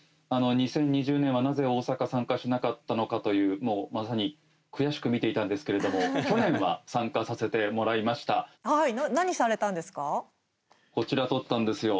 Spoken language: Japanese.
２０２０年は、なぜ大阪参加しなかったのかというまさに悔しく見ていたんですけれども何されたんですか？